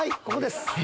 ここです。